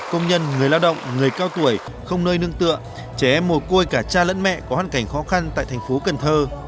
công nhân người lao động người cao tuổi không nơi nương tựa trẻ em mồ côi cả cha lẫn mẹ có hoàn cảnh khó khăn tại thành phố cần thơ